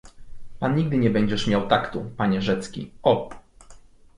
"Pan nigdy nie będziesz miał taktu, panie Rzecki... O!"